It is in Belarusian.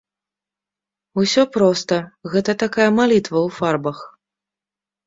Усё проста, гэта такая малітва ў фарбах.